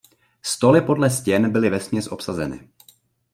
Stoly podle stěn byly vesměs obsazeny.